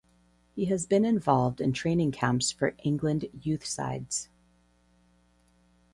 He has been involved in training camps for England youth sides.